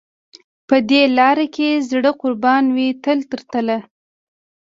په دې لار کې زړه قربان وي تل تر تله.